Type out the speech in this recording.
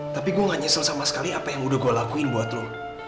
tapi gue gak nyesel sama sekali apa yang udah gue lakuin buat lo